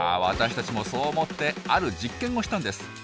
私たちもそう思ってある実験をしたんです。